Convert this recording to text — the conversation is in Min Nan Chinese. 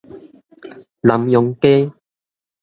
南陽街